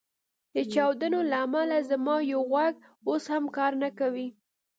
د چاودنو له امله زما یو غوږ اوس هم کار نه کوي